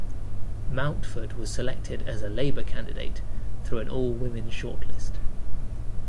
Mountford was selected as a Labour candidate through an all-women shortlist.